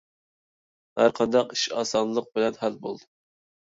ھەر قانداق ئىش ئاسانلىق بىلەن ھەل بولىدۇ.